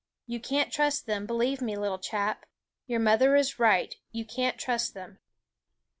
You can't trust them, believe me, little chap. Your mother is right ; you can't trust them."